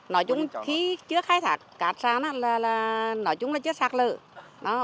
nói chung khi chưa khai thác cát sỏi là chưa sạt lở